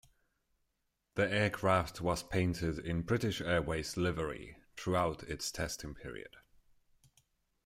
The aircraft was painted in British Airways livery throughout its testing period.